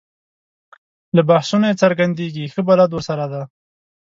له بحثونو یې څرګندېږي ښه بلد ورسره دی.